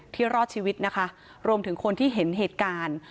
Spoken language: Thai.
รอดชีวิตนะคะรวมถึงคนที่เห็นเหตุการณ์